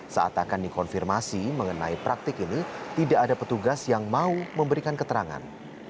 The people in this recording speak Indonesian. saat akan dikonfirmasi mengenai praktik ini tidak ada petugas yang mau memberikan keterangan